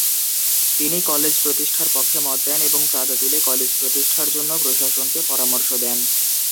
তিনি কলেজ প্রতিষ্ঠার পক্ষে মত দেন এবং চাঁদা তুলে কলেজ প্রতিষ্ঠার জন্য প্রশাসনকে পরামর্শ দেন।